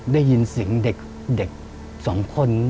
ได้ยินเสียงเด็ก๒คน